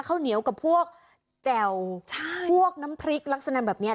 ข้าวเหนียวกับพวกแจ่วพวกน้ำพริกลักษณะแบบเนี้ย